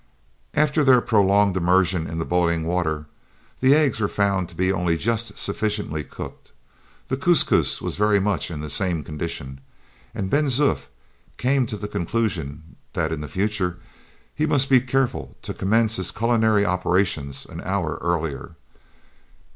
After their prolonged immersion in the boiling water, the eggs were found to be only just sufficiently cooked; the couscous was very much in the same condition; and Ben Zoof came to the conclusion that in future he must be careful to commence his culinary operations an hour earlier.